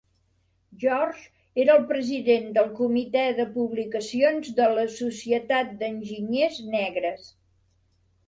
George era el President del Comitè de Publicacions de la Societat d'Enginyers Negres.